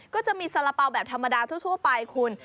ก็จะมีสาระเป๋าแบบธรรมดาทั่วไปคุณ